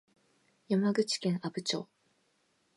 山口県阿武町